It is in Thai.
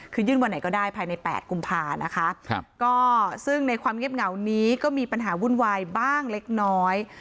คือยื่นวันไหนก็ได้ภายใน๘กุมภานะคะก็ซึ่งในความเงียบเหงานี้ก็มีปัญหาวุ่นวายบ้างเล็กน้อย